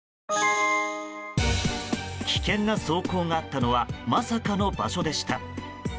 危険な走行があったのはまさかの場所でした。